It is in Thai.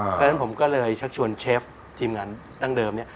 เพราะฉะนั้นผมก็เลยชักชวนเชฟทีมงานดั้งเดิมเนี่ย